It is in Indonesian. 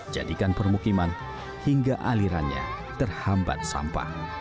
jadikan permukiman hingga alirannya terhambat sampah